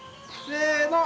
せの！